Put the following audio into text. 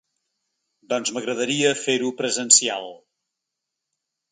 Doncs m'agradaria fer-ho presencial.